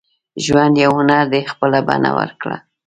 • ژوند یو هنر دی، خپله بڼه ورکړه.